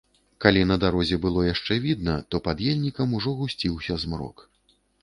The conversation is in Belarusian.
Калі на дарозе было яшчэ відна, то пад ельнікам ужо гусціўся змрок.